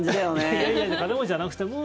いやいや金持ちじゃなくても。